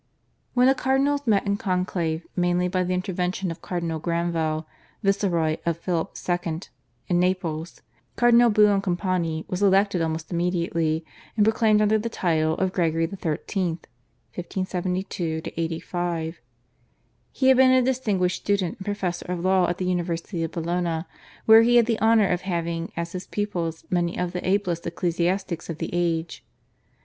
When the cardinals met in conclave, mainly by the intervention of Cardinal Granvelle, viceroy of Philip II. in Naples, Cardinal Buoncompagni was elected almost immediately, and proclaimed under the title of Gregory XIII. (1572 85). He had been a distinguished student and professor of law at the University of Bologna, where he had the honour of having as his pupils many of the ablest ecclesiastics of the age.